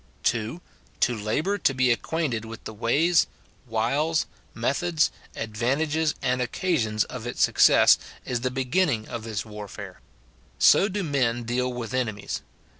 [2.] To labour to be acquainted with the ways, wiles, methods, advantages, and occasions of its success, is the beginning of this warfare. So do men deal with ene mies.